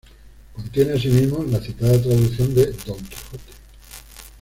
Contiene, asimismo, la citada traducción de "Don Quijote".